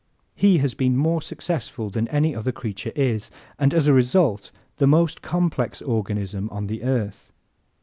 He has been more successful than any other creature and is, as a result, the most complex organism on the earth.